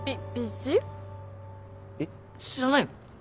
えっ知らないの？